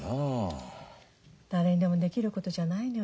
誰にでもできることじゃないのよ